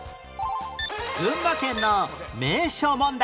群馬県の名所問題